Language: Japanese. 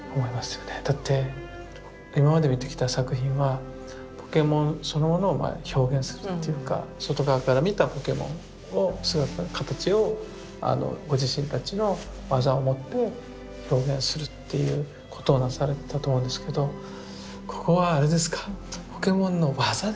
だって今まで見てきた作品はポケモンそのものを表現するっていうか外側から見たポケモンを姿形をご自身たちの技をもって表現するっていうことをなされたと思うんですけどここはあれですかポケモンの技ですか。